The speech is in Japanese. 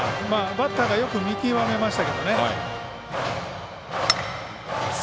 バッターがよく見極めましたけどね。